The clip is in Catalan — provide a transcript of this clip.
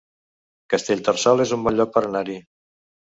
Castellterçol es un bon lloc per anar-hi